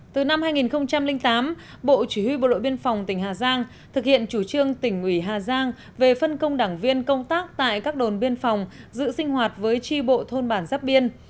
từ năm hai nghìn tám bộ chỉ huy bộ đội biên phòng tỉnh hà giang thực hiện chủ trương tỉnh ủy hà giang về phân công đảng viên công tác tại các đồn biên phòng giữ sinh hoạt với tri bộ thôn bản giáp biên